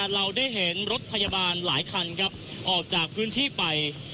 เราได้เห็นรถพยาบาลหลายคันครับออกจากพื้นที่ไป